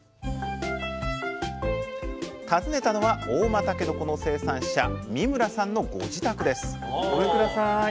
訪ねたのは合馬たけのこの生産者三村さんのご自宅ですごめんください。